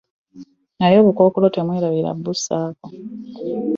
Naye obukookolo temwerabira kubussaako.